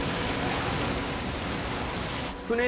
船